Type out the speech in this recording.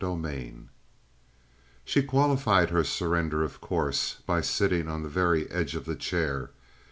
27 She qualified her surrender, of course, by sitting on the very edge of the chair.